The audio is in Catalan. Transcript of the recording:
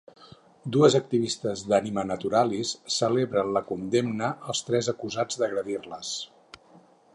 Dues activistes d'AnimaNaturalis celebren la condemna als tres acusats d'agredir-les.